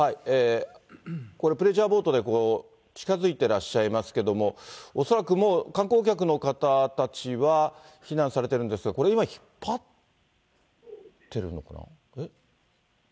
これ、プレジャーボートで、近づいてらっしゃいますけれども、恐らくもう、観光客の方たちは避難されてるんですが、これ今、引っ張ってるのかな。